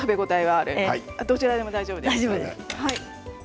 どちらでも大丈夫です。